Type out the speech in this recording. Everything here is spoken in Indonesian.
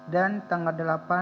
dan tanggal delapan